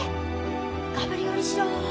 がぶり寄りしろ！